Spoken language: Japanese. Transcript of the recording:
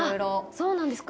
そうなんですか。